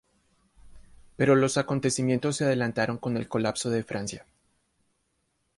Pero los acontecimientos se adelantaron con el colapso de Francia.